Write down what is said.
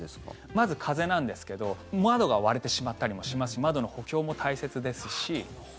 まず風なんですけど窓が割れてしまったりもしますし窓の補強も大切ですし